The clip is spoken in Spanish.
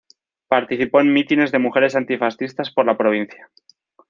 Participó en mítines de Mujeres Antifascistas por la provincia.